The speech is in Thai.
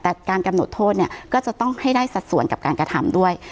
แต่การกำหนดโทษเนี่ยก็จะต้องให้ได้สัดส่วนกับการกระทำด้วย